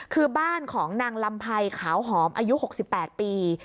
คือบ้านของนางลำไพรขาวหอมอายุ๖๘ปี